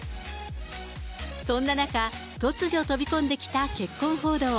そんな中、突如飛び込んできた結婚報道。